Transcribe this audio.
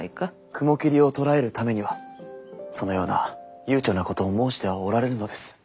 雲霧を捕らえるためにはそのような悠長なことを申してはおられぬのです。